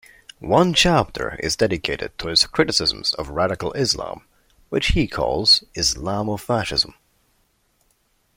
One chapter is dedicated to his criticisms of radical Islam, which he calls "Islamofascism".